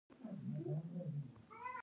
هره ورځ د ځان روغتیا ته نیم ساعت وخت ورکوئ.